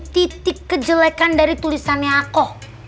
titik kejelekan dari tulisannya aku